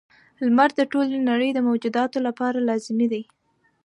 • لمر د ټولې نړۍ د موجوداتو لپاره لازمي دی.